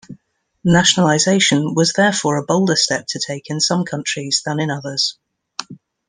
Nationalization was therefore a bolder step to take in some countries than in others.